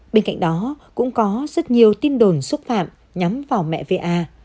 bên cạnh đó cũng có rất nhiều tin đồn xúc phạm nhắm vào mẹ va